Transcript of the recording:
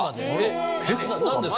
何ですか？